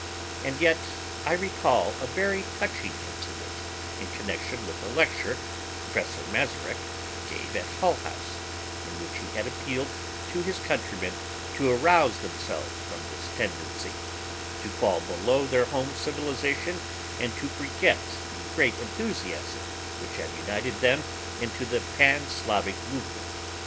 And yet I recall a very touching incident in connection with a lecture Professor Masurek gave at Hull House, in which he had appealed to his countrymen to arouse themselves from this tendency to fall below their home civilization and to forget the great enthusiasm which had united them into the Pan Slavic Movement.